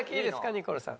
ニコルさん。